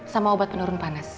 sama obat penurun panas